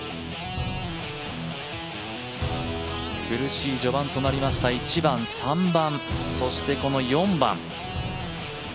苦しい序盤となりました１番、３番、そして４番。